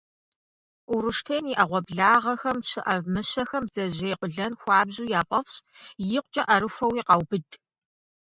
Уруштен и Ӏэгъуэблагъэхэм щыӀэ мыщэхэм бдзэжьей къуэлэн хуабжьу яфӀэфӀщ, икъукӀэ Ӏэрыхуэуи къаубыд.